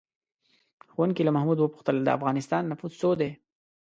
ښوونکي له محمود وپوښتل: د افغانستان نفوس څو دی؟